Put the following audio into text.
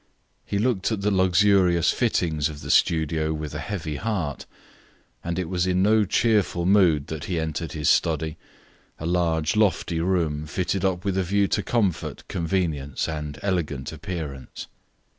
He looked at the luxurious fittings of the studio with a heavy heart, and it was in no cheerful mood that he entered his study, a large, lofty room fitted up with a view to comfort, convenience, and elegant appearance.